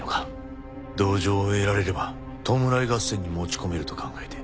同情を得られれば弔い合戦に持ち込めると考えて。